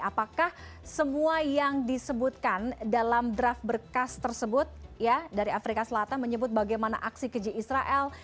apakah semua yang disebutkan dalam draft berkas tersebut ya dari afrika selatan menyebut bagaimana aksi keji israel